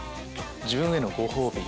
自分へのご褒美？